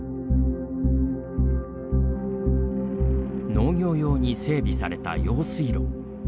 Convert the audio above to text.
農業用に整備された用水路。